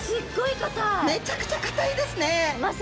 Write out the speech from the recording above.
めちゃくちゃ硬いですね。